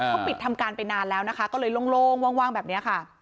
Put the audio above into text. เขาปิดทำการไปนานแล้วเลยลงวางแบบนี้